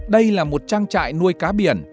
đây là một trang trại nuôi cá biển